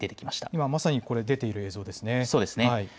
今まさに出ている映像ですね。